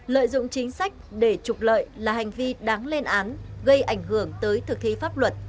lợi dụng chính sách để trục lợi là hành vi đáng lên án gây ảnh hưởng tới thực thi pháp luật